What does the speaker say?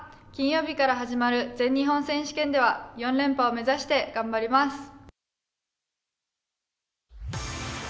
金曜日から始まる全日本選手権では４連覇を目指して頑張ります。